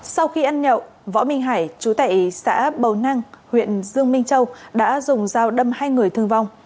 sau khi ăn nhậu võ minh hải chú tại xã bầu năng huyện dương minh châu đã dùng dao đâm hai người thương vong